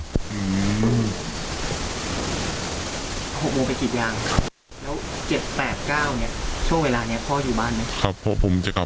๖โมงไปกีดยางครับ